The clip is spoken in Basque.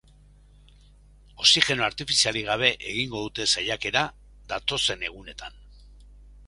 Oxigeno artifizialik gabe egingo dute saiakera datozen egunetan.